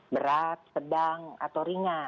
berat sedang atau ringan